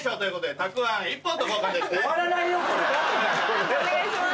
判定お願いします。